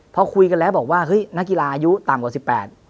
พอคุยกันแล้วบอกว่านักกีฬาอายุต่ำกว่า๑๘